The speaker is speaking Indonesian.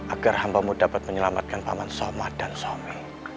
agar hambamu dapat menyelamatkan paman somat dan somi